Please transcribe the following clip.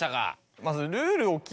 まず。